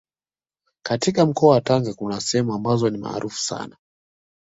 Katika mkoa wa Tanga kuna sehemu ambazo ni maarufu sana